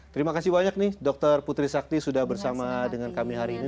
terima kasih banyak nih dokter putri sakti sudah bersama dengan kami hari ini